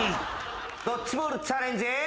ドッジボールチャレンジ。